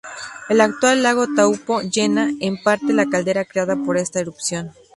El actual lago Taupo llena, en parte, la caldera creada por esta erupción.